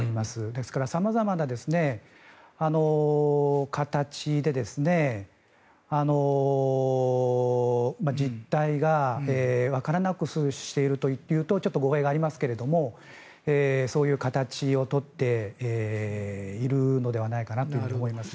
ですから、様々な形で実態がわからなくしているというとちょっと語弊がありますがそういう形を取っているのではないかなと思います。